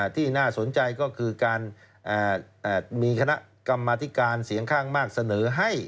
ที่น่าสนใจก็คือการมีคณะกรรมธิการเสียงข้างมากเสนอให้